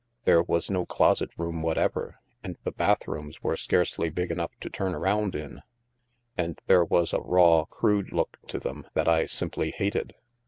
There was no closet room whatever, and the bathrooms were scarcely big enough to turn around in. And there was a raw, crude look to them that I simply hated.